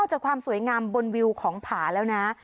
จากความสวยงามบนวิวของผาแล้วนะ